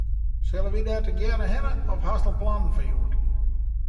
Sille we dêr tegearre hinne of hast al plannen foar hjoed?